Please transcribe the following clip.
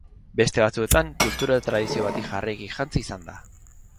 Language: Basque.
Beste batzuetan, kultura tradizio bati jarraiki jantzi izan da.